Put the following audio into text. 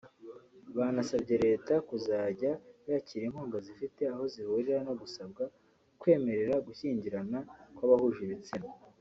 Banasabye leta kutazajya yakira inkunga zifite aho zihurira no gusabwa kwemerera gushyingirana kw’abahuje ibitsina